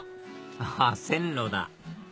あっ線路だ